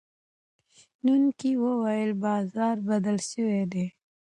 شنونکي وویل چې بازار بدل شوی دی.